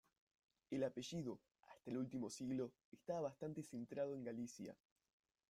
El apellido, hasta el último siglo estaba bastante centrado en Galicia.